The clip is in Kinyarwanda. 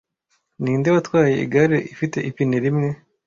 Ninde watwaye igare ifite ipine rimwe